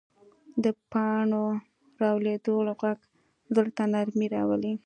د پاڼو رالوېدو غږ زړه ته نرمي راولي